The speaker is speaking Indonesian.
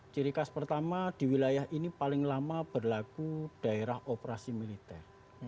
ciri khas pertama di wilayah ini paling lama berlaku daerah operasi militer